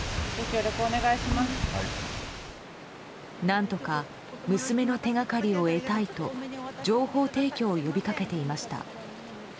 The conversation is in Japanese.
何とか娘の手掛かりを得たいと情報提供を呼び掛けていました。